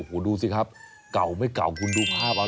โอ้โหดูสิครับเก่าไม่เก่าคุณดูภาพเอา